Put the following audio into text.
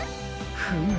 フム。